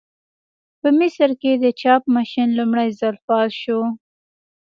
په مصر کې د چاپ ماشین لومړي ځل فعال شو.